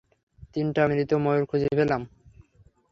তিনটা মৃত ময়ূর খুঁজে পেলাম।